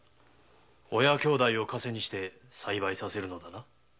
親兄弟をカセに栽培させるのだな。